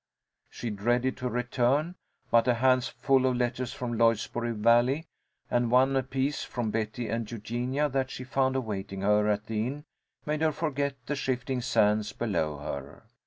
She dreaded to return, but a handful of letters from Lloydsboro Valley, and one apiece from Betty and Eugenia that she found awaiting her at the inn, made her forget the shifting sands below her.